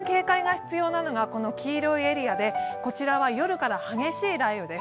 まず、一番警戒が必要なのが黄色いエリアで、こちらは夜から激しい雷雨です。